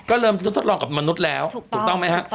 ก็เริ่มทดลองกับมนุษย์แล้วถูกต้องไหมฮะ